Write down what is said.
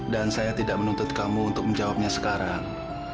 dan saya tidak menuntut kamu untuk menjawabnya sekarang